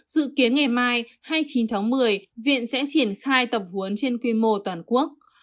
dự kiến ngày mai hai mươi chín tháng một mươi viện sẽ triển khai tập huấn trên quy mô toàn quốc